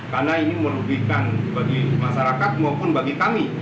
karena ini merupakan bagi masyarakat maupun bagi kami